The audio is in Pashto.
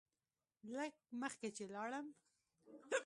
لږ مخکې چې لاړم.